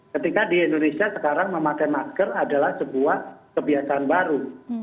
ketika di indonesia sekarang memakai masker adalah sebuah kebiasaan baru